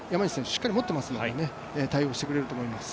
しっかり持っていますので対応してくれると思います。